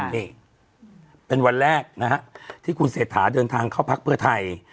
นี่เป็นวันแรกนะฮะที่คุณเศรษฐาเดินทางเข้าพักเพื่อไทย